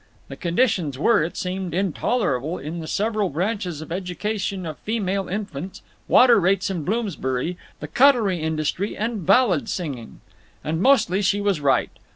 The conditions were, it seemed, intolerable in the several branches of education of female infants, water rates in Bloomsbury, the cutlery industry, and ballad singing. And mostly she was right.